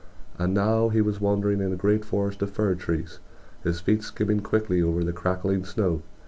And now he was wandering in a great forest of fir trees, his feet skimming quickly over the crackling snow.